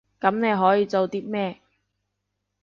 噉你可以做啲咩？